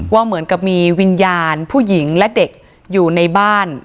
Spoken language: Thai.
ว่าเหมือนกับมีวิญญาณผู้หญิงและเด็กอยู่ในบ้าน